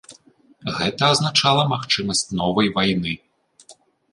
Гэта азначала магчымасць новай вайны.